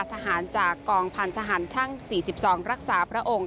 ทหารจากกองพันธหารช่าง๔๒รักษาพระองค์